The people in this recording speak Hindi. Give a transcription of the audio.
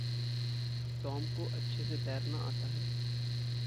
टॉम को अच्छे से तैरना आता है।